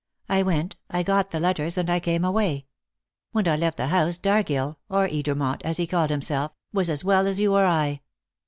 I went, I got the letters, and I came away. When I left the house Dargill or Edermont, as he called himself was as well as you or I."